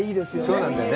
そうなんだよね。